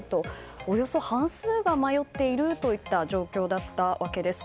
およそ半数が迷っているという状況だったわけです。